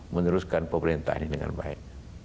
meneruskan pemerintahan ini dengan baik